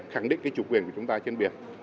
khẳng định chủ quyền của chúng ta trên biển